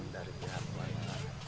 dari pihak mana